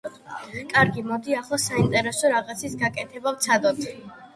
კარგი, მოდი ახლა საინტერესო რაღაცის გაკეთება ვცადოთ.